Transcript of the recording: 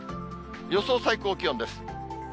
予想最高気温です。